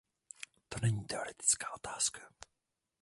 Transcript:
To není teoretická otázka.